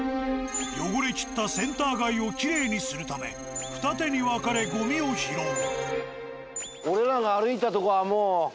汚れきったセンター街をきれいにするため二手に分かれゴミを拾う。